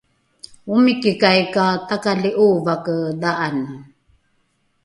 omikikai ka takali ’ovake dha’ane